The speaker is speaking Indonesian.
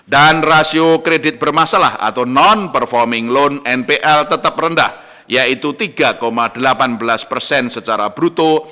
dan rasio kredit bermasalah atau non performing loan tetap rendah yaitu tiga delapan belas persen secara bruto